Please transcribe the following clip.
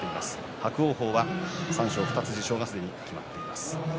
伯桜鵬は三賞受賞２つがすでに決まっています。